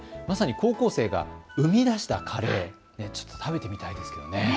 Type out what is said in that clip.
まさに高校生が生み出したカレー食べてみたいですね。